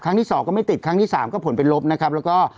ที่สองก็ไม่ติดครั้งที่สามก็ผลเป็นลบนะครับแล้วก็